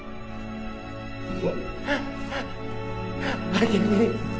明美